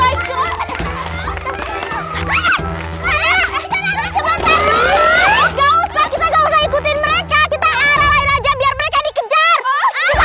ikutin mereka kita aja biar mereka dikejar